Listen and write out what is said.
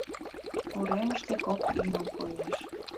Уремыште кок ӱмыл коеш.